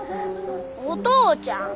お父ちゃん。